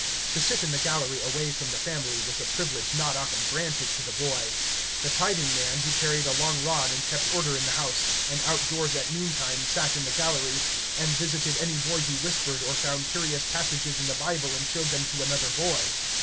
To sit in the gallery away from the family, was a privilege not often granted to the boy. The tithing man, who carried a long rod and kept order in the house, and out doors at noontime, sat in the gallery, and visited any boy who whispered or found curious passages in the Bible and showed them to another boy.